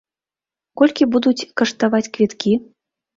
Колькі будуць каштаваць квіткі?